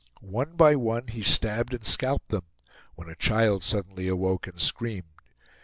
One by one he stabbed and scalped them, when a child suddenly awoke and screamed.